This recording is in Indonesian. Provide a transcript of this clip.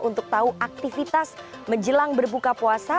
untuk tahu aktivitas menjelang berbuka puasa